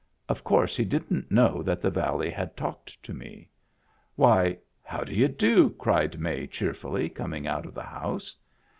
Of course he didn't know that the valley had talked to me. " Why, how do you do ?" cried May, cheerfully, coming out of the house.